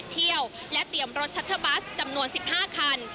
เที่ยวและเตรียมรถชัตเทอร์บัสจำนวน๑๕คัน